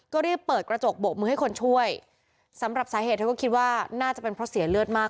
ก็รีบเปิดกระจกโบกมือให้คนช่วยสำหรับสาเหตุเธอก็คิดว่าน่าจะเป็นเพราะเสียเลือดมาก